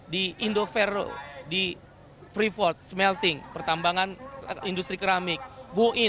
di indovero di privot smelting pertambangan industri keramik buin